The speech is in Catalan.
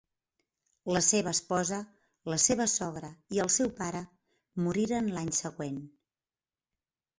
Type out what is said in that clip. La seva esposa, la seva sogra i el seu pare moriren l'any següent.